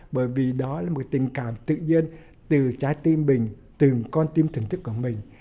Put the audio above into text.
bởi vì đó là một tình cảm tự nhiên từ trái tim mình từng con tim thưởng thức của mình